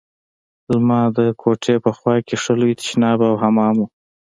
زما د کوټې په خوا کښې ښه لوى تشناب او حمام و.